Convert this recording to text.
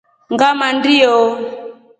Ngamandyo.